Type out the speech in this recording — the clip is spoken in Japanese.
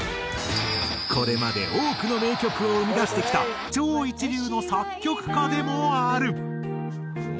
これまで多くの名曲を生み出してきた超一流の作曲家でもある。